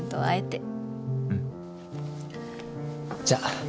じゃあ。